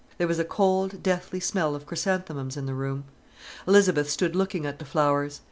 There was a cold, deathly smell of chrysanthemums in the room. Elizabeth stood looking at the flowers.